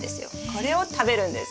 これを食べるんです。